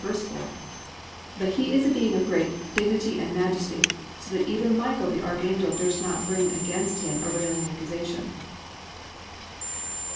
4:4): but he is a being of great dignity and majesty, so that even Michael the archangel durst not bring against him a railing accusation.